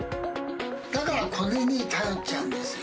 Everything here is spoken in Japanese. だからこれに頼っちゃうんですよ。